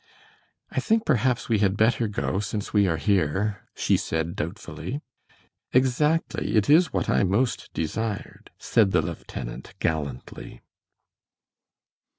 "I think perhaps we had better go, since we are here," she said, doubtfully. "Exactly; it is what I most desired," said the lieutenant, gallantly.